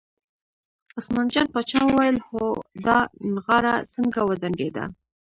عثمان جان پاچا وویل هو دا نغاره څنګه وډنګېده.